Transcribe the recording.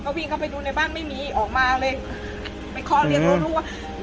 ก็วิ่งเข้าไปดูในบ้านไม่มีออกมาเลยไปคลอดเรียนร่วมรู้ว่า